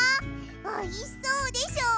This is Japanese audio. おいしそうでしょ。